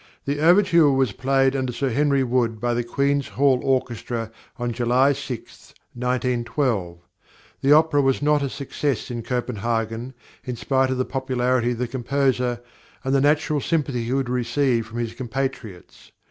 The overture was played under Sir Henry Wood by the Queen's Hall Orchestra on July 6, 1912. The opera was not a success in Copenhagen, in spite of the popularity of the composer and the natural sympathy he would receive from his compatriots.